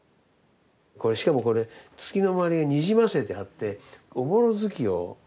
しかもこれ月の周りがにじませてあっておぼろ月夜なんですね。